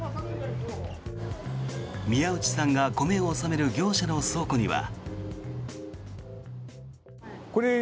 宮内さんが米を納める業者の倉庫には。